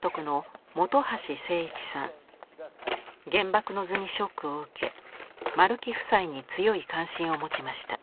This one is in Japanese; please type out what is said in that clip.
「原爆の図」にショックを受け丸木夫妻に強い関心を持ちました。